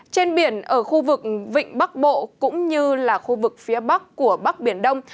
trên biển ở khu vực vịnh bắc bộ cũng như là khu vực phía bắc của bắc biển đông